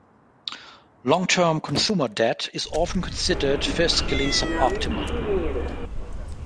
Long-term consumer debt is often considered fiscally suboptimal.